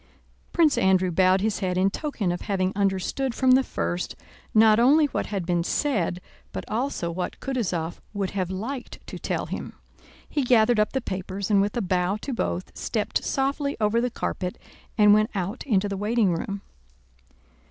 Prince Andrew bowed his head in token of having understood from the first not only what had been said but also what Kutúzov would have liked to tell him. He gathered up the papers and with a bow to both, stepped softly over the carpet and went out into the waiting room.